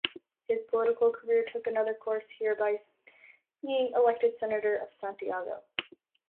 His political career took another course here by being elected senator of Santiago.